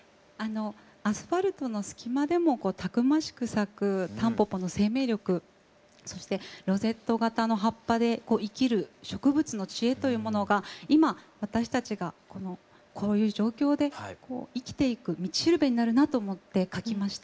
アスファルトの隙間でもたくましく咲くたんぽぽの生命力そしてロゼット形の葉っぱで生きる植物の知恵というものが今私たちがこういう状況で生きていく道しるべになるなと思って書きました。